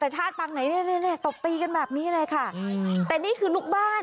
แต่ชาติปังไหนเนี่ยตบตีกันแบบนี้เลยค่ะแต่นี่คือลูกบ้าน